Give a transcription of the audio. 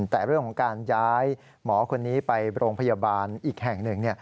แต่เรื่องของการย้ายหมอคนนี้ไปโรงพยาบาลอีกแห่งหนึ่ง